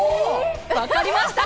分かりました？